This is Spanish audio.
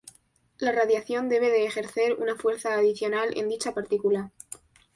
La radiación debe de ejercer una fuerza adicional en dicha partícula.